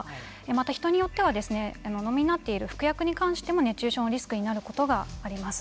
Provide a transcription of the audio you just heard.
また人によってはお飲みになっている服薬に関しても熱中症のリスクになることがあります。